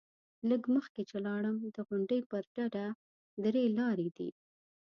لږ مخکې چې لاړم، د غونډۍ پر ډډه درې لارې دي.